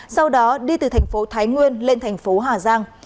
sau đó đi từ thành phố thái nguyên lên thành phố hà giang